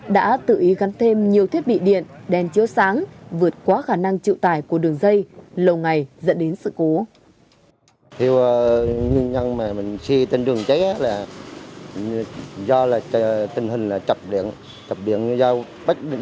và các tình hình ở các cơ sở sửa chữa ô tô được biết